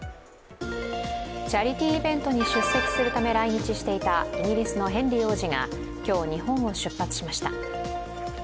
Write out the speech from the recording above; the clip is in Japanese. チャリティーイベントに出席するため来日していたイギリスのヘンリー王子が今日、日本を出発しました。